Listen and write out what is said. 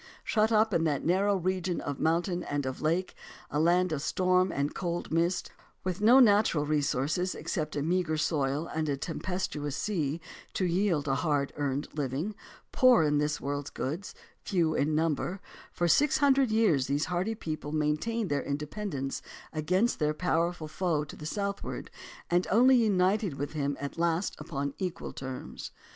Shut up in that narrow region of mountain and of lake, a land of storm and cold and mist, with no natural resources except a meagre soil and a tempestuous sea to yield a hard earned living; poor in this world's goods, few in number, 168 JOHN C. CALHOUN for six hundred years these hardy people maintained their independence against their powerful foe to the southward and only united with him at last upon equal terms.